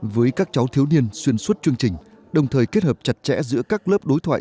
với các cháu thiếu niên xuyên suốt chương trình đồng thời kết hợp chặt chẽ giữa các lớp đối thoại